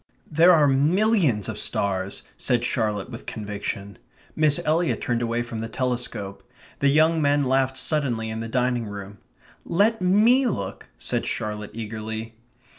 "There are MILLIONS of stars," said Charlotte with conviction. Miss Eliot turned away from the telescope. The young men laughed suddenly in the dining room. "Let ME look," said Charlotte eagerly.